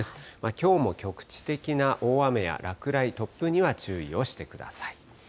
きょうも局地的な大雨や落雷、突風には注意をしてください。